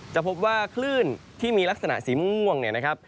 จะพบว่าคลื่นที่มีลักษณะสีม่วงเนี่ยนะครับ